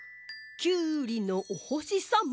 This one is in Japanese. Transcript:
きゅうりのおほしさま。